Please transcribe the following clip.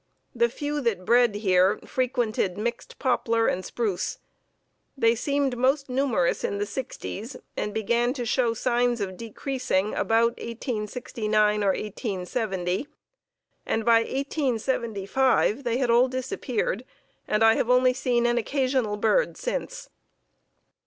The few that bred here frequented mixed poplar and spruce. They seemed most numerous in the sixties and began to show signs of decreasing about 1869 or 1870, and by 1875 they had all disappeared and I have only seen an occasional bird since."